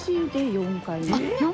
４回目！